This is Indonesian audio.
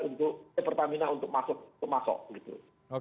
untuk pertamina untuk masuk